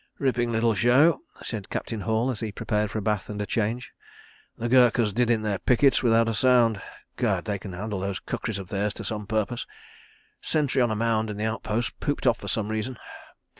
... "Ripping little show," said Captain Hall, as he prepared for a bath and change. "The Gurkhas did in their pickets without a sound. Gad! They can handle those kukris of theirs to some purpose. Sentry on a mound in the outpost pooped off for some reason.